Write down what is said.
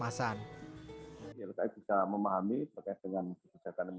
masa yang terakhir diperhatikan adalah penyebabnya minyak goreng kemasan